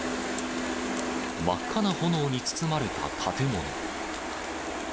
真っ赤な炎に包まれた建物。